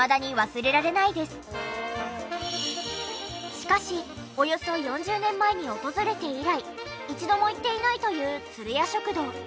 しかしおよそ４０年前に訪れて以来一度も行っていないというつるや食堂。